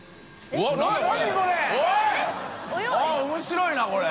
◆舛面白いなこれ。